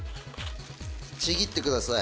「ちぎってください。